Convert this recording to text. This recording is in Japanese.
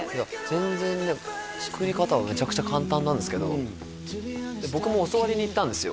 全然ね作り方はめちゃくちゃ簡単なんですけど僕も教わりにいったんですよ